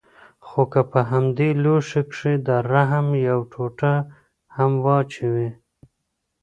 خو که په همدې لوښي کښې د رحم يوه ټوټه هم واچوې.